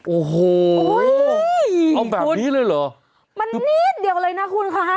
โอ้โหเอาแบบนี้เลยเหรอมันนิดเดียวเลยนะคุณค่ะ